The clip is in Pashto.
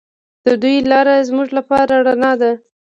د دوی لاره زموږ لپاره رڼا ده.